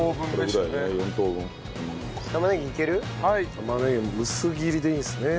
玉ねぎ薄切りでいいんですね？